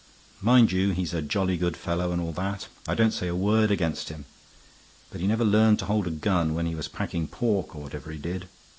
Mind you, he's a jolly good fellow and all that; I don't say a word against him. But he never learned to hold a gun when he was packing pork or whatever he did.